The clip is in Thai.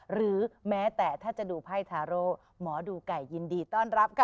หรือแม้แต่ถ้าจะดูไพ่ทาโร่หมอดูไก่ยินดีต้อนรับค่ะ